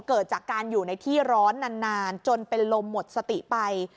เกิดจากการอยู่ในที่ร้อนนานจนเป็นลมหมดสติไป